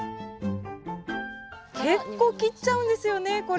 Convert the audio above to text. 結構切っちゃうんですよねこれ。